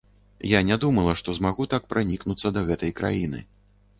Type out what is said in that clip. Я не думала, што змагу так пранікнуцца да гэтай краіны.